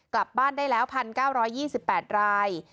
กลับบ้านได้แล้ว๑๙๒๘ราย